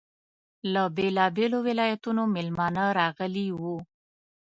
له بېلابېلو ولایتونو میلمانه راغلي وو.